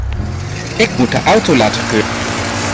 Ik moet de auto laten keuren.